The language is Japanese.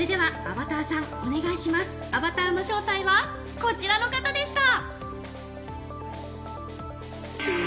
アバターの正体はこちらの方でした。